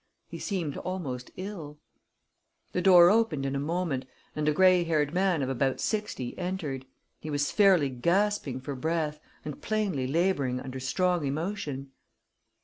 He seemed almost ill. The door opened in a moment, and a gray haired man of about sixty entered. He was fairly gasping for breath, and plainly laboring under strong emotion.